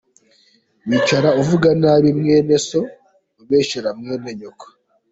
Wicara uvuga nabi mwene so, Ubeshyera mwene nyoko